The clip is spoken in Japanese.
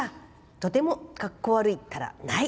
とても格好悪いったらない。